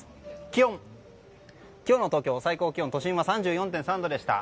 気温、今日の東京の最高気温都心は３４．３度でした。